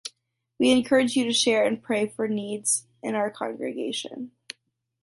We encourage you to share and pray for needs in our congregation.